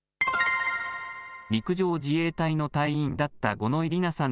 陸上自衛隊の隊員だった五ノ井里奈さん